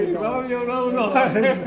thế kỷ nào rồi